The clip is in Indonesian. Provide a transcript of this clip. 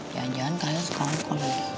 ya jangan kalian sekalian kok lagi